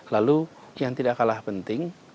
lalu yang tidak kalah penting